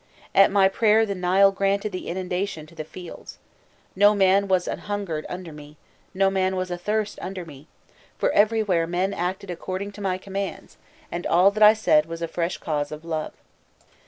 At my prayer the Nile granted the inundation to the fields: no man was an hungered under me, no man was athirst under me, for everywhere men acted according to my commands, and all that I said was a fresh cause of love."